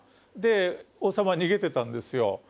で王様逃げてたんですよ。